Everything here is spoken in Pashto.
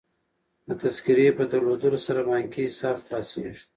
د تذکرې په درلودلو سره بانکي حساب خلاصیږي.